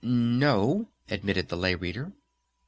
"No," admitted the Lay Reader.